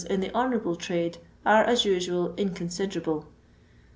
in the honourable tnde are, m usual, inconvidenible.